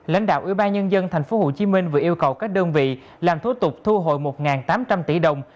lãnh đạo ủy ban nhân dân tp hcm vừa yêu cầu các đơn vị làm thủ tục thu hồi một tám trăm linh tỷ đồng